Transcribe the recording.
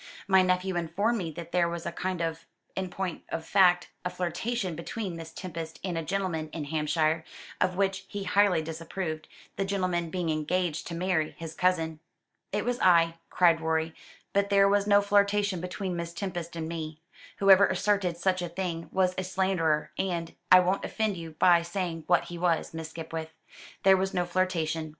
My nephew informed me that there was a kind of in point of fact a flirtation between Miss Tempest and a gentleman in Hampshire, of which he highly disapproved, the gentleman being engaged to marry his cousin." "It was I," cried Rorie, "but there was no flirtation between Miss Tempest and me. Whoever asserted such a thing was a slanderer and I won't offend you by saying what he was, Miss Skipwith. There was no flirtation.